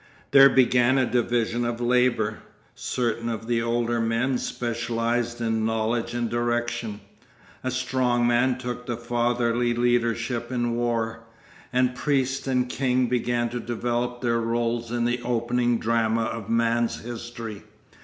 There began a division of labour, certain of the older men specialised in knowledge and direction, a strong man took the fatherly leadership in war, and priest and king began to develop their rôles in the opening drama of man's history.